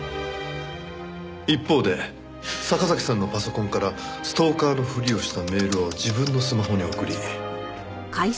一方で坂崎さんのパソコンからストーカーのふりをしたメールを自分のスマホに送り。